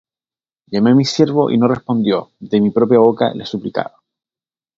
Llamé á mi siervo, y no respondió; De mi propia boca le suplicaba.